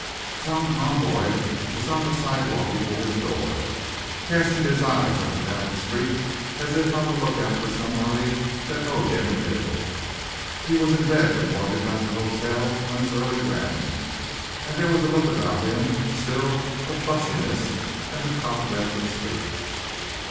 Tom Conboy was on the sidewalk before his door, casting his eyes up and down the street as if on the lookout for somebody that owed him a bill. He was in bed when Morgan left the hotel on his early round, and there was a look about him still of fustiness and the cobwebs of sleep.